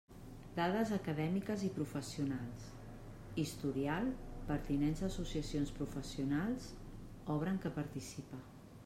Dades acadèmiques i professionals: historial, pertinença a associacions professionals, obra en què participa.